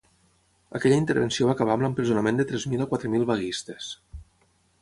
Aquella intervenció va acabar amb l’empresonament de tres mil a quatre mil vaguistes.